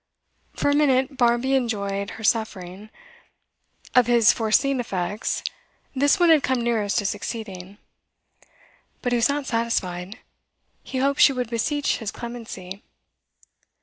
For a minute Barmby enjoyed her suffering. Of his foreseen effects, this one had come nearest to succeeding. But he was not satisfied; he hoped she would beseech his clemency.